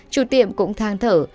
chủ tiệm cũng thang thở